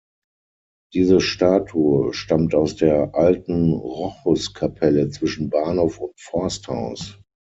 Diese Statue stammt aus der alten Rochuskapelle zwischen Bahnhof und Forsthaus.